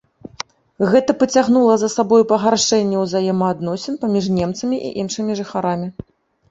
Гэта пацягнула за сабой пагаршэнне ўзаемаадносін паміж немцамі і іншымі жыхарамі.